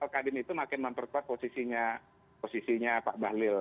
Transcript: kadin itu makin memperkuat posisinya posisinya pak bahlil